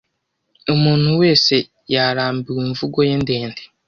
Umuntu wese yarambiwe imvugo ye ndende.